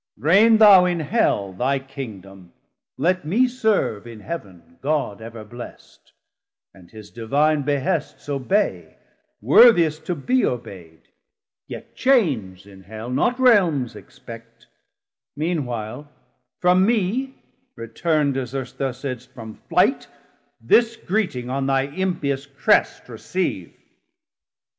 Reign thou in Hell thy Kingdom, let mee serve In Heav'n God ever blessed, and his Divine Behests obey, worthiest to be obey'd, Yet Chains in Hell, not Realms expect: mean while From mee returnd, as erst thou saidst, from flight, This greeting on thy impious Crest receive.